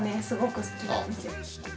すごく好きなんですよ。